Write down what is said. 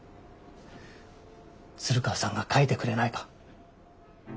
鶴川さんが書いてくれないか？